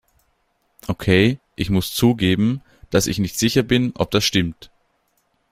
Okay, ich muss zugeben, dass ich nicht sicher bin, ob das stimmt.